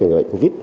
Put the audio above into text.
người bệnh covid